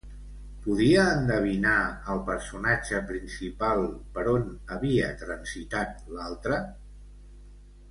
Podia endevinar el personatge principal per on havia transitat l'altre?